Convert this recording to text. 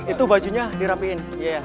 itu bajunya dirapiin